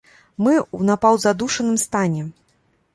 Мы ў напаўзадушаным стане.